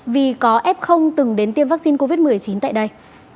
vì có f từng đến tiêm vaccine covid một mươi chín tại đây